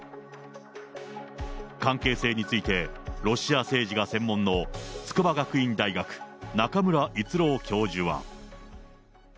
関係性について、ロシア政治が専門の筑波学院大学、中村逸郎教授は。